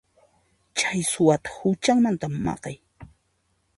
Chay suwata huchanmanta maqay.